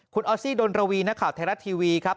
คุณออสซี่ดนรวีนักข่าวไทยรัฐทีวีครับ